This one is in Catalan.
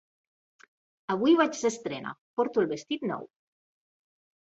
Avui vaig d'estrena, porto el vestit nou.